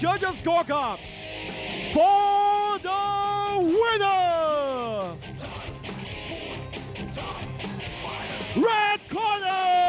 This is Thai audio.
เราไปกันกันกันกันกัน